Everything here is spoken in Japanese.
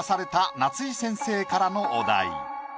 夏井先生からのお題。